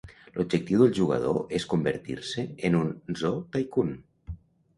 L'objectiu del jugador és convertir-se en un "Zoo Tycoon".